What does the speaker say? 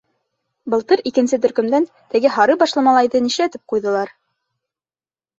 Былтыр икенсе төркөмдән теге һары башлы малайҙы нишләтеп ҡуйҙылар?